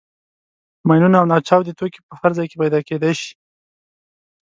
ماینونه او ناچاودي توکي په هر ځای کې پیدا کېدای شي.